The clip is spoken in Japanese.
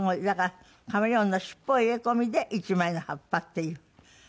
だからカメレオンの尻尾を入れ込みで１枚の葉っぱっていう。